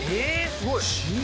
すごい。